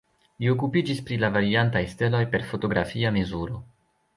Li okupiĝis pri la variantaj steloj per fotografia mezuro.